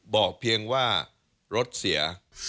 บอกเพียงว่ารถเสีย